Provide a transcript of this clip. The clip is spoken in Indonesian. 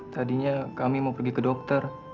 tadinya kami mau pergi ke dokter